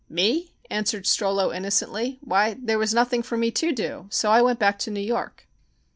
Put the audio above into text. "Me?" answered Strollo innocently. "Why, there was nothing for me to do, so I went back to New York."